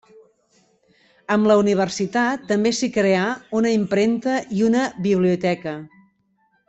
Amb la universitat també s'hi creà una impremta i una biblioteca.